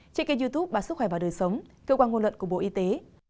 trên kênh youtube bà sức khỏe và đời sống cơ quan ngôn luận của bộ y tế